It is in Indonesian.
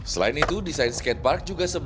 selain itu desain skatepark juga sangat menarik